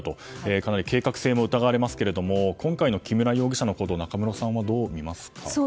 かなり計画性も疑われますが今回の木村容疑者のこと中室さんは、どうみますか？